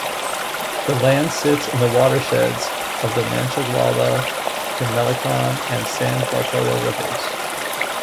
The land sits in the watersheds of the Manchaguala, Chamelecon and San Bartolo rivers.